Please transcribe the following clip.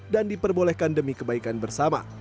dan diperbolehkan demi kebaikan bersama